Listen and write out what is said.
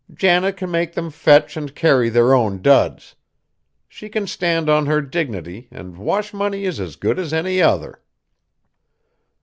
Janet can make them fetch and carry their own duds. She can stand on her dignity; an' wash money is as good as any other."